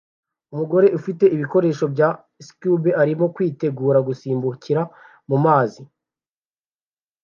Umugore ufite ibikoresho bya scuba arimo kwitegura gusimbukira mumazi